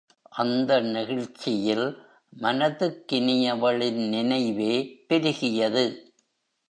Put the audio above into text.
அந்த நெகிழ்ச்சியில் மனதுக்கினியவளின் நினைவே பெருகியது.